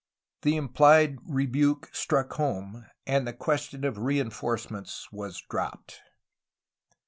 The implied rebuke struck home, and the question of reinforcements was dropped.